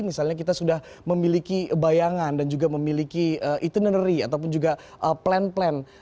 misalnya kita sudah memiliki bayangan dan juga memiliki itinerary ataupun juga plan plan